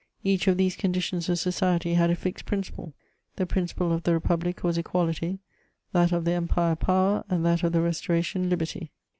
Each of these conditions of society had a fixed principle: the principle of the Republic was equality; that of the Empire, power ; and that of the Restora tion, liberty.